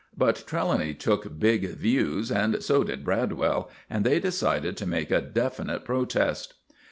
But Trelawny took big views, and so did Bradwell, and they decided to make a definite protest.